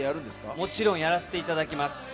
もちろんやせていただきます。